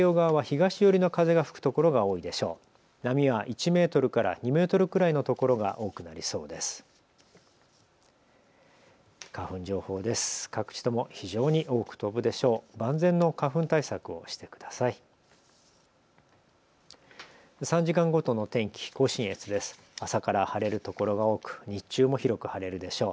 各地とも非常に多く飛ぶでしょう。